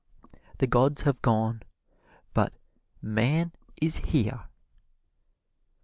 The gods have gone, but MAN IS HERE.